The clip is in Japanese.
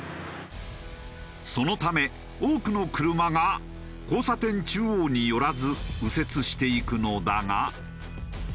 そのため多くの車が交差点中央に寄らず右折していくのだが。